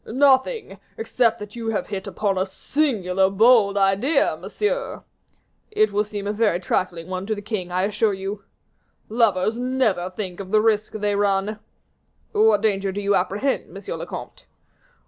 "Nothing, except that you have hit upon a singular, bold idea, monsieur." "It will seem a very trifling one to the king, I assure you." "Lovers never think of the risk they run." "What danger do you apprehend, monsieur le comte?"